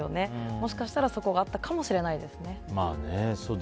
もしかしたらそこがあったかもしれないですね。